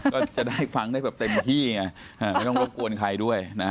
ก็จะได้ฟังได้แบบเต็มที่ไงไม่ต้องรบกวนใครด้วยนะฮะ